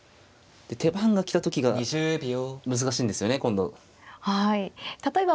で手番が来た時が難しいんですよね今度。